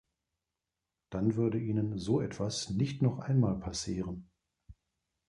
Dann würde Ihnen so etwas nicht noch einmal passieren.